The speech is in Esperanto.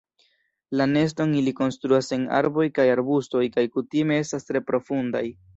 La neston ili konstruas en arboj kaj arbustoj kaj kutime estas tre profundaj.